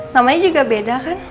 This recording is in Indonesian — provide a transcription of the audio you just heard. namanya juga beda kan